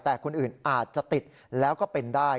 แต่คนอื่นอาจจะติดแล้วก็เป็นได้